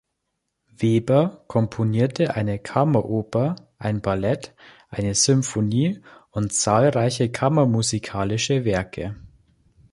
Weber komponierte eine Kammeroper, ein Ballett, eine Sinfonie und zahlreiche kammermusikalische Werke.